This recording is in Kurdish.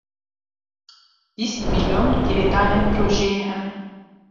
Bîst milyon girêdanên projeyê hene.